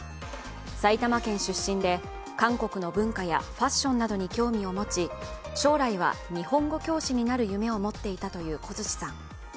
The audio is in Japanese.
埼玉県出身で韓国の文化やファッションなどに興味を持ち将来は日本語教師になる夢を持っていたという小槌さん。